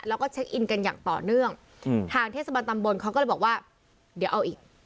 แล้วก็เช็คอินกันอย่างต่อเนื่องอืมทางเทศบาลตำบลเขาก็เลยบอกว่าเดี๋ยวเอาอีก